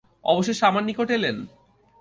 অবশেষে আমার নিকট এলেন।